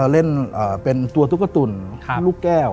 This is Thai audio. เล่นเป็นตัวตุ๊กตุ่นลูกแก้ว